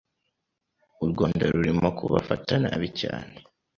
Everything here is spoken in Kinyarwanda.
u Rwanda rurimo kubafata nabi cyane